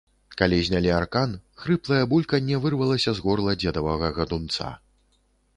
Калі знялі аркан, хрыплае бульканне вырвалася з горла дзедавага гадунца.